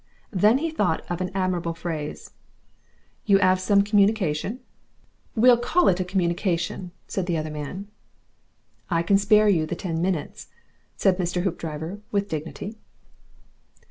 Then he thought of an admirable phrase. "You 'ave some communication " "We'll call it a communication," said the other man. "I can spare you the ten minutes," said Mr. Hoopdriver, with dignity.